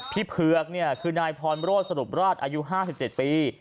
พี่เผือกเนี่ยคือนายพรโมร่สรุปราชอายุห้าสิบเจ็ดปี